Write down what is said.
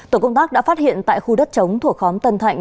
tổ công tác đã phát hiện tại khu đất chống thuộc khóm tân thạnh